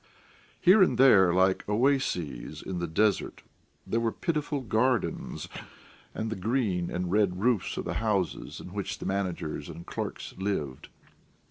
Here and there, like oases in the desert, there were pitiful gardens, and the green and red roofs of the houses in which the managers and clerks lived.